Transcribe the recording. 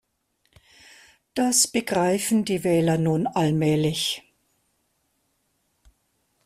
Das begreifen die Wähler nun allmählich.